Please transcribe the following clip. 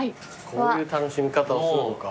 こういう楽しみ方をするのか。